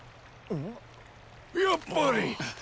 やっぱり！